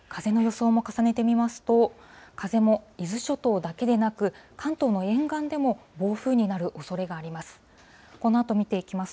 風の予想も重ねてみますと、風も伊豆諸島だけでなく、関東の沿岸でも、暴風になるおそれがあります。